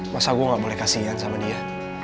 masa gue gak boleh kasihan sama dia